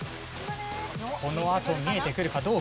このあと見えてくるか？